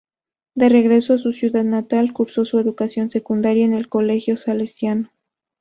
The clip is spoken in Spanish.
De regreso a su ciudad natal, cursó su educación secundaria en el Colegio Salesiano.